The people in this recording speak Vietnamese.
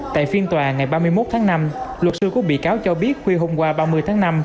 tại phiên tòa ngày ba mươi một tháng năm luật sư của bị cáo cho biết khuya hôm qua ba mươi tháng năm